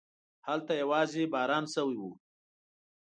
هلته يواځې باران شوی و.